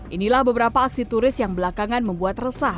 inilah beberapa aksi turis yang belakangan membuat resah